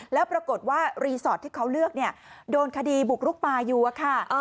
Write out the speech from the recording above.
แล้วปรากฏว่ารีสอร์ทที่เขาเลือกโดนคดีบุกลุกป่าอยู่อะค่ะ